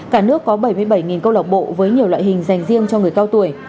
cả nước có bảy mươi bảy câu lạc bộ với nhiều loại hình dành riêng cho người cao tuổi